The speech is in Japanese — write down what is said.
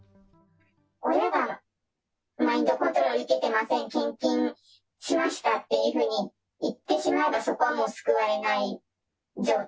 親がマインドコントロール受けていません、献金しましたっていうふうに言ってしまえば、そこはもう救われない状態。